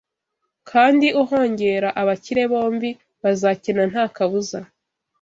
kandi uhongera abakire Bombi bazakena nta kabuza